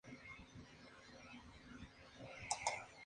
Ha realizado varias colaboraciones con diferentes artistas del reggaeton.